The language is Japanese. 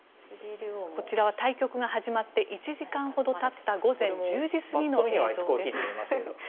こちらは対局が始まって１時間ほどたった午前１０時過ぎの映像です。